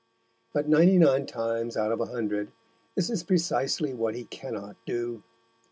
But ninety nine times out of a hundred, this is precisely what he cannot do.